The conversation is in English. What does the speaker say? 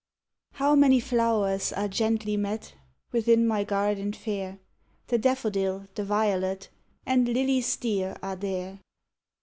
How many flowers are gently met Within my garden fair! The daffodil, the violet, And lilies dear are there.